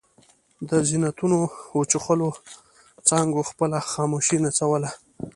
د زیتونو وچخولو څانګو خپله خاموشي نڅوله.